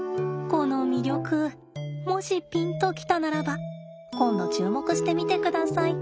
この魅力もしピンと来たならば今度注目してみてください。